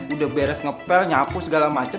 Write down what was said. udah beres ngepel nyapu segala macam